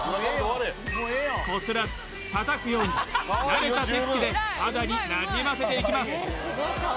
こすらずたたくように慣れた手つきで肌になじませていきます